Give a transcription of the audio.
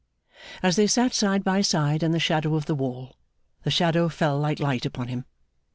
As they sat side by side in the shadow of the wall, the shadow fell like light upon him.